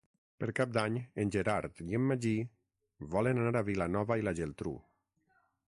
Per Cap d'Any en Gerard i en Magí volen anar a Vilanova i la Geltrú.